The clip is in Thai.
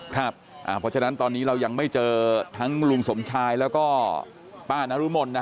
เพราะฉะนั้นตอนนี้เรายังไม่เจอทั้งลุงสมชายแล้วก็ป้านรุมล